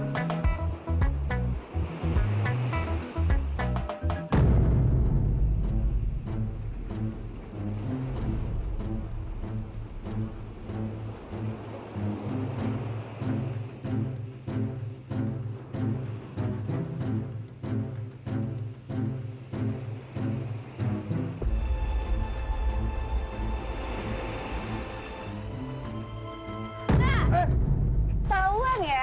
ya ini salah aku